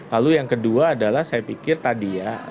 lalu yang kedua adalah saya pikir tadi ya